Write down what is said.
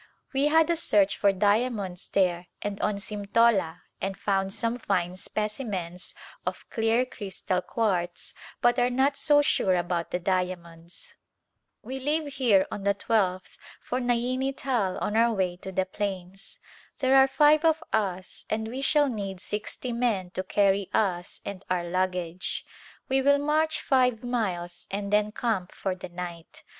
We had a search for diamonds there and on Simtola and found some fine specimens of clear crystal quartz but are not so sure about the dia monds. We leave here on the twelfth for Naini Tal on our way to the plains. There are five of us and we shall need sixty men to carry us and our luggage. We will march five miles and then camp for the night.